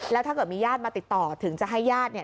แล้วถ้าเกิดมีญาติมาติดต่อถึงจะให้ญาติเนี่ย